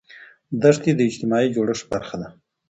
دښتې د اجتماعي جوړښت برخه ده.